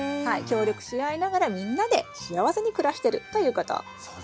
協力し合いながらみんなで幸せに暮らしてるということ。